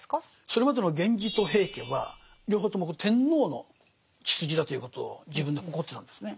それまでの源氏と平家は両方ともこれ天皇の血筋だということを自分で誇ってたんですね。